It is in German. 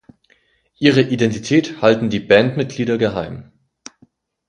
Ihre Identität halten die Bandmitglieder geheim.